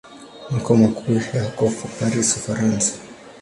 Makao makuu yako Paris, Ufaransa.